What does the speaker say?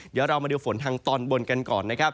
เดี๋ยวเรามาดูฝนทางตอนบนกันก่อนนะครับ